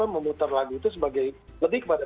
memutar lagu itu sebagai lebih kepada